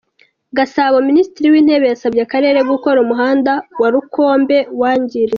Gasabo Minisitiri w’Intebe yasabye Akarere gukora umuhanda wa Rukombe wangiritse